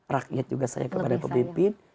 rakyat juga saya kepada pemimpin